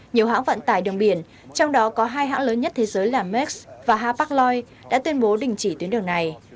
nhiều hãng vận tải đường biển trong đó có hai hãng lớn nhất thế giới là mex và hapag loy đã tuyên bố đình chỉ tuyến đường này